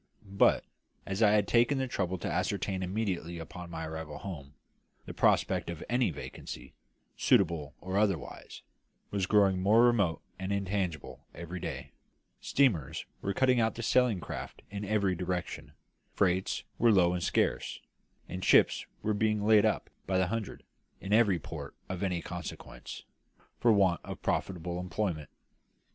But as I had taken the trouble to ascertain immediately upon my arrival home the prospect of any vacancy, suitable or otherwise, was growing more remote and intangible every day; steamers were cutting out the sailing craft in every direction; freights were low and scarce; and ships were being laid up by the hundred, in every port of any consequence, for want of profitable employment.